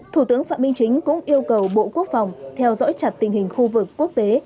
thủ tướng phạm minh chính cũng yêu cầu bộ quốc phòng theo dõi chặt tình hình khu vực quốc tế